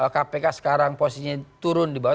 kpk sekarang posisinya turun di bawah